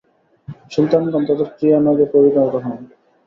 সুলতানগণ তাদের ক্রীড়ানকে পরিণত হন।